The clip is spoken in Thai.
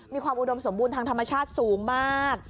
มีความอุดมสมบูรณ์ทางธรรมชาติสูงมาก